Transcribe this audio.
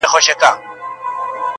o بر ئې سته، برکت ئې نسته٫